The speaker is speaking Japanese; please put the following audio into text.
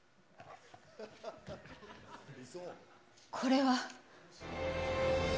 これは。